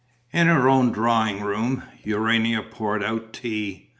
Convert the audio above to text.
In her own drawing room, Urania poured out tea.